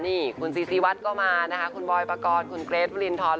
นี่คุณซีซีวัดก็มานะคะคุณบอยปกรณ์คุณเกรทวรินทร